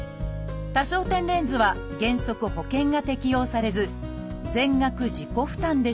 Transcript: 多焦点レンズは原則保険が適用されず全額自己負担でした。